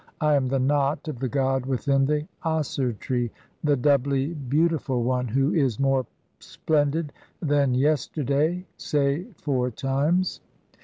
"I am the knot of the god within the Aser tree, the doubly beauti "ful one, who is more splendid than yesterday (say four times).